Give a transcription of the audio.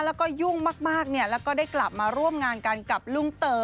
แล้วก็ยุ่งมากแล้วก็ได้กลับมาร่วมงานกันกับลุงเต๋อ